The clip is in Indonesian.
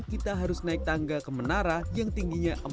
kita harus naik tangga ke menara yang tingginya